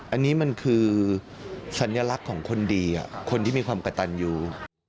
อันนี้มันคือสัญลักษณ์ของคนดีคนที่มีความกระตันอยู่